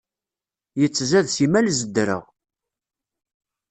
Yettzad simmal zeddreɣ.